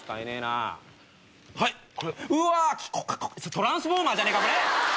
トランスフォーマーじゃねえか！